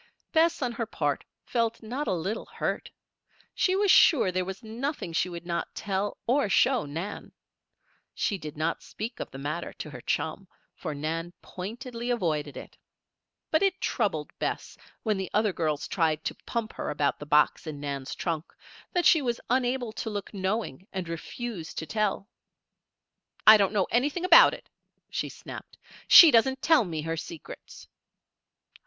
Bess, on her part, felt not a little hurt. She was sure there was nothing she would not tell or show Nan. She did not speak of the matter to her chum, for Nan pointedly avoided it. But it troubled Bess, when the other girls tried to pump her about the box in Nan's trunk, that she was unable to look knowing and refuse to tell. "I don't know anything about it," she snapped. "She doesn't tell me her secrets."